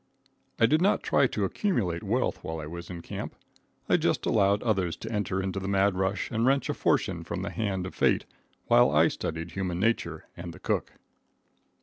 I did not try to accumulate wealth while I was in camp. I just allowed others to enter into the mad rush and wrench a fortune from the hand of fate while I studied human nature and the cook.